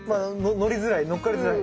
のりづらいのっかりづらい。